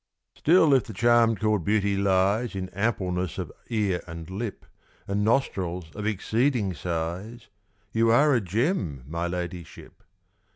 Still, if the charm called Beauty lies In ampleness of ear and lip, And nostrils of exceeding size, You are a gem, my ladyship!